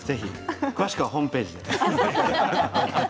詳しくはホームページで。